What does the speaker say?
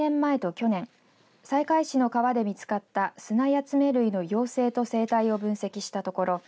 去年西海市の川で見つかったスナヤツメ類の幼生と成体を分析したところ